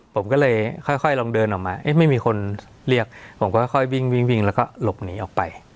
ผมก็เลยค่อยลองเดินออกมาไม่มีคนเรียกผมก็ค่อยวิ่งวิ่งแล้วก็หลบหนีออกไป